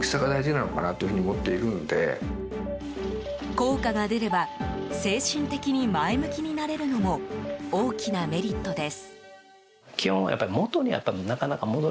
効果が出れば精神的に前向きになれるのも大きなメリットです。